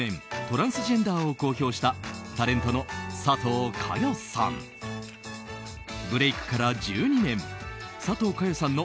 トランスジェンダーを公表したタレントの佐藤かよさん。